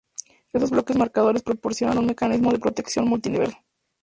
Estos bloques marcadores proporcionan un mecanismo de protección multi-nivel.